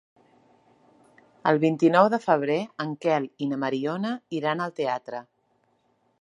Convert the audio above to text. El vint-i-nou de febrer en Quel i na Mariona iran al teatre.